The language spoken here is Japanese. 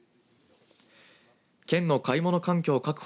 県の買物環境確保